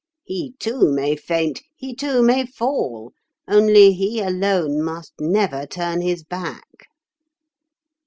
He, too, may faint, he, too, may fall; only he alone must never turn his back."